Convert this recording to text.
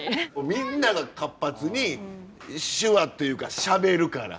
みんなが活発に手話っていうかしゃべるから。